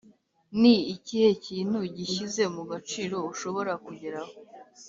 ni ikihe kintu gishyize mu gaciro ushobora kugeraho ?